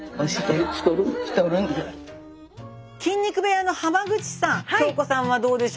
筋肉部屋の浜口さん京子さんはどうでしょうか？